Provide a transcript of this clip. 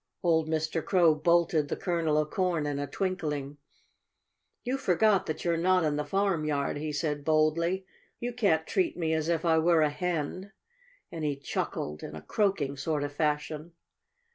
Old Mr. Crow bolted the kernel of corn in a twinkling. "You forget that you're not in the farmyard," he said boldly. "You can't treat me as if I were a Hen." And he chuckled in a croaking sort of fashion.